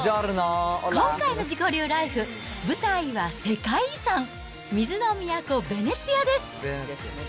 今回の自己流ライフ、舞台は世界遺産、水の都ヴェネツィアです。